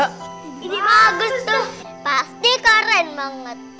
ini bagus tuh pasti keren banget